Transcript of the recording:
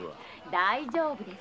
大丈夫です。